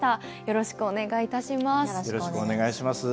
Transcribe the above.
よろしくお願いします。